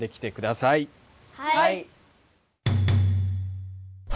はい！